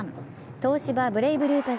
東芝ブレイブルーパス